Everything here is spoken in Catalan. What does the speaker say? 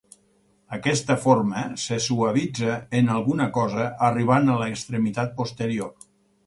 Aquesta forma se suavitza en alguna cosa arribant a l'extremitat posterior.